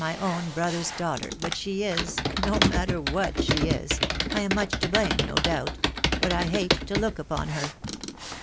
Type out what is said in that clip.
my own brother's daughter, but she is .... no matter what she is .... I am much to blame, no doubt, i ... but I hate to look upon her."